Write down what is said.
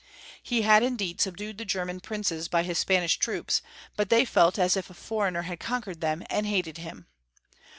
He had indeed subdued the German princes by his Spanish troops, but they felt as if a foreigner had conquered them, and hated him.